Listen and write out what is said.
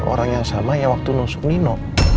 orang yang sama ya waktu nusuk nino